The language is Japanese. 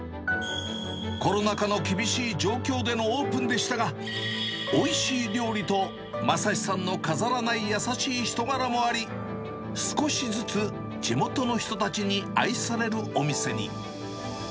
コロナ禍の厳しい状況でのオープンでしたが、おいしい料理と将司さんの飾らない優しい人柄もあり、少しずつ地元の人たちに愛されるお店に。